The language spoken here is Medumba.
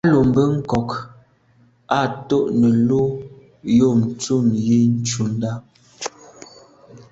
À lo mbe nkôg à to’ nelo’ yub ntum yi ntshundà.